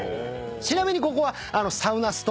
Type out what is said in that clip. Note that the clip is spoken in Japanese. ちなみにここは。